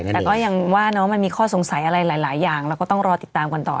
แต่ก็ยังว่ามันมีข้อสงสัยอะไรหลายอย่างเราก็ต้องรอติดตามกันต่อ